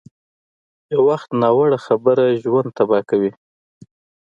یو وخت ناوړه خبره ژوند تباه کوي.